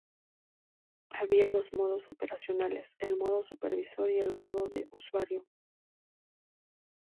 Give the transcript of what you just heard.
Había dos modos operacionales, el modo supervisor y el modo de usuario.